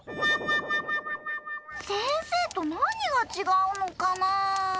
先生と何が違うのかな？